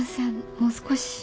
もう少し。